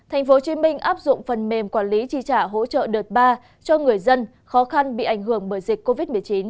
tp hcm áp dụng phần mềm quản lý chi trả hỗ trợ đợt ba cho người dân khó khăn bị ảnh hưởng bởi dịch covid một mươi chín